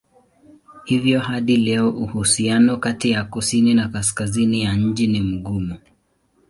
Hivyo hadi leo uhusiano kati ya kusini na kaskazini ya nchi ni mgumu.